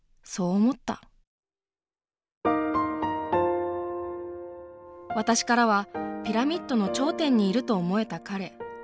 そう思った私からはピラミッドの頂点にいると思えた彼。